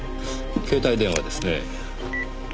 携帯電話ですね。